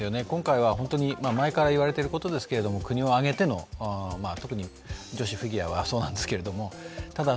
今回は前から言われていることですけれども、国を挙げての、特に女子フィギュアはそうなんですけど。